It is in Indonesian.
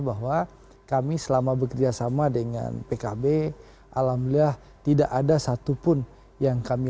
bahwa kami selama bekerjasama dengan pkb alhamdulillah tidak ada satupun yang kami